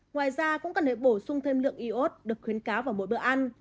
ngoài ra cũng cần phải bổ sung thêm lượng iốt được khuyến cáo vào mỗi bữa ăn